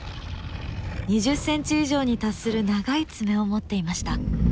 ２０ｃｍ以上に達する長い爪を持っていました。